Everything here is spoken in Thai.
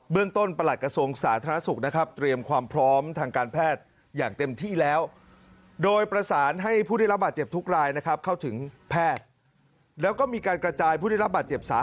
เบื้องต้นประหลักกระทรวงสาธารณสุขนะครับ